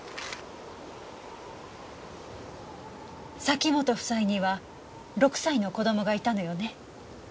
崎本夫妻には６歳の子供がいたのよね？